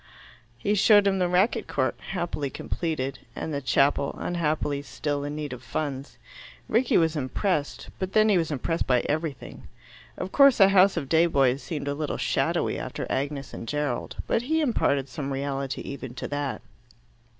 He showed him the racquet court, happily completed, and the chapel, unhappily still in need of funds. Rickie was impressed, but then he was impressed by everything. Of course a House of day boys seemed a little shadowy after Agnes and Gerald, but he imparted some reality even to that.